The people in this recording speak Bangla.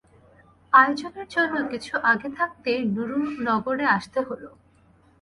আয়োজনের জন্যে কিছু আগে থাকতেই নুরনগরে আসতে হল।